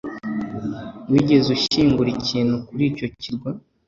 Wigeze ushyingura ikintu kuri icyo kirwa